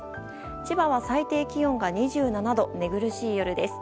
千葉は最低気温が２７度寝苦しい夜です。